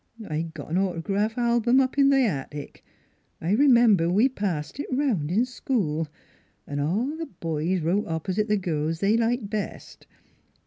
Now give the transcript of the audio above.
" I got an autograph album up in the attic; I r'member we passed it 'round in school, 'n' all the boys wrote opp'site the girls they liked best.